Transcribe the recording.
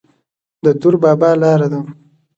د دور بابا لاره ده